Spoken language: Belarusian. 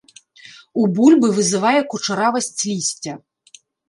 У бульбы вызывае кучаравасць лісця.